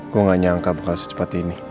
gue gak nyangka bakal secepat ini